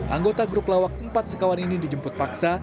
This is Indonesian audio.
anggota grup lawak empat sekawan ini dijemput paksa